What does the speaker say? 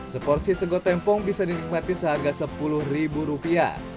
seporsi segotempong bisa dinikmati seharga sepuluh ribu rupiah